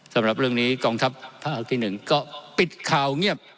สำหรับเรื่องนี้กองทัพภาคที่๑ก็ปิดข่าวเงียบ